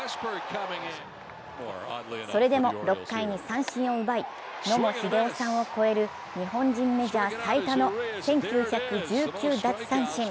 それでも６回に三振を奪い、野茂英雄さんを超える日本人メジャー最多の１９１９奪三振。